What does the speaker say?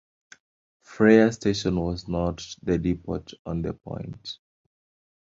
Frayser Station was not the depot on The Point.